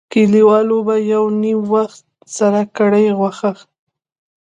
کلیوالو به یو نیم وخت سره کړې غوښه.